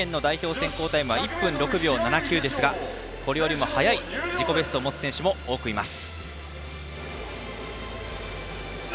選考タイムは１分６秒７９ですがこれよりも早い自己ベストを持つ選手も多くいます。